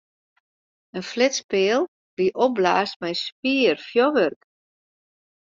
In flitspeal wie opblaasd mei swier fjurwurk.